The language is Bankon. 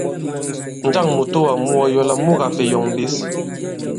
Njâŋ mùtoà mu ɔ yɔ àlà mu ka-fè yɔ̀ŋ ɓěs?